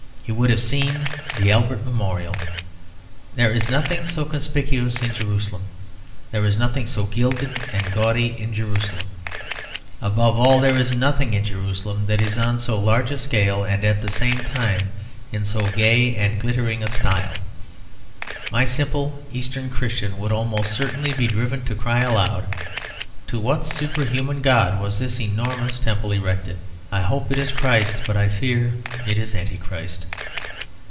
He would have seen the Albert Memorial. There is nothing so conspicuous in Jerusalem. There is nothing so gilded and gaudy in Jerusalem. Above all, there is nothing in Jerusalem that is on so large a scale and at the same time in so gay and glittering a style. My simple Eastern Christian would almost certainly be driven to cry aloud, "To what superhuman God was this enormous temple erected? I hope it is Christ; but I fear it is Antichrist."